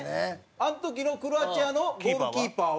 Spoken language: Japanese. あの時のクロアチアのゴールキーパーは？